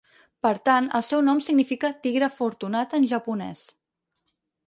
Per tant, el seu nom significa, "tigre afortunat" en japonès.